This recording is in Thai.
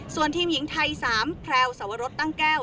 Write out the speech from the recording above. ส่วนทีมหญิงไทย๓แพรวสวรสตั้งแก้ว